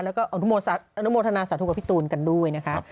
แล้วก็อนุโมทนาสาธุกับพี่ตูนกันด้วยนะคะ